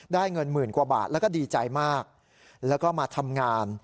เงินหมื่นกว่าบาทแล้วก็ดีใจมากแล้วก็มาทำงาน